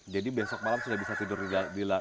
jadi besok malam sudah bisa tidur di dalam rumah